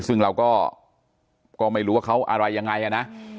ซึ่งเราก็ไม่รู้ว่าเขาอะไรยังไงนะ